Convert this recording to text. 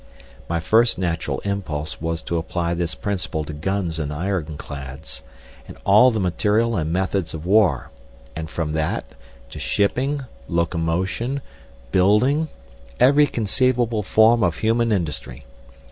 My first natural impulse was to apply this principle to guns and ironclads, and all the material and methods of war, and from that to shipping, locomotion, building, every conceivable form of human industry.